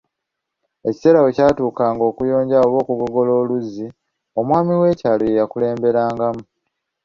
Ekiseera bwe kyatuukanga okuyonja oba okugogola oluzzi, omwami w'ekyalo ye yakulemberangamu.